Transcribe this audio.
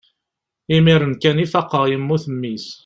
imir-n kan i faqeɣ yemmut mmi-s